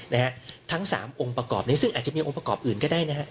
นะฮะทั้งสามองค์ประกอบนี้ซึ่งอาจจะมีองค์ประกอบอื่นก็ได้นะฮะ